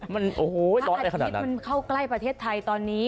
มันโอ้โหร้อนอะไรขนาดนั้นพระอาทิตย์มันเข้าใกล้ประเทศไทยตอนนี้